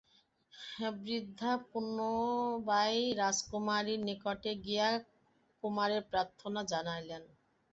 বৃদ্ধা পুনর্বায় রাজকুমারীর নিকটে গিয়া কুমারের প্রার্থনা জানাইল।